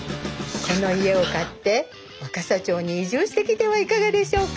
この家を買って若桜町に移住してきてはいかがでしょうか？